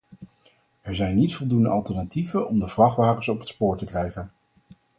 Er zijn niet voldoende alternatieven om de vrachtwagens op het spoor te krijgen.